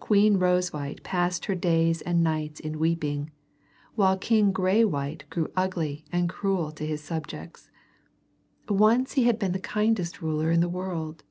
Queen Rosewhite passed her days and nights in weeping, while King Graywhite grew ugly and cruel to his subjects. Once he had been the kindest ruler in the world.